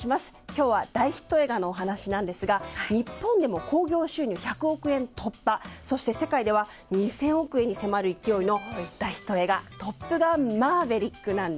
今日は大ヒット映画のお話なんですが日本でも興行収入１００億円突破そして、世界では２０００億円に迫る勢いの大ヒット映画「トップガンマーヴェリック」。